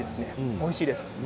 おいしいです。